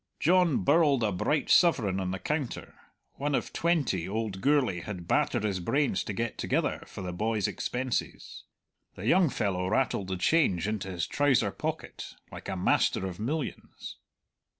John birled a bright sovereign on the counter, one of twenty old Gourlay had battered his brains to get together for the boy's expenses. The young fellow rattled the change into his trouser pocket like a master of millions.